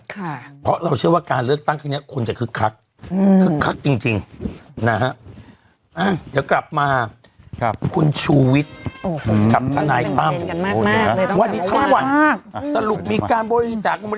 ค่ะเพราะเราเชื่อว่าการเลือกตั้งครั้งนี้ควรจะคึกคักคึกคักจริงนะฮะ